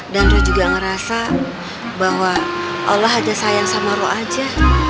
dan ruh juga ngerasa bahwa allah ada sayang sama ruh aja